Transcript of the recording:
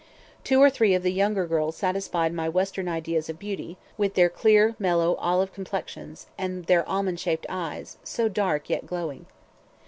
Two or three of the younger girls satisfied my Western ideas of beauty, with their clear, mellow, olive complexions, and their almond shaped eyes, so dark yet glowing.